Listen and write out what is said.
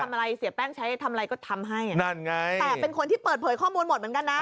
อะไรเสียแป้งใช้ทำอะไรก็ทำให้อ่ะนั่นไงแต่เป็นคนที่เปิดเผยข้อมูลหมดเหมือนกันนะ